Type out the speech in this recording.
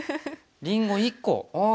りんご１個ああ